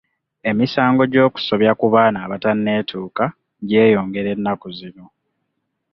Emisango gy'okusobya ku baana abatanneetuuka gyeyongera ennaku zino.